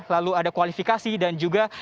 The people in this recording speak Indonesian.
lalu ada kualifikasi dan juga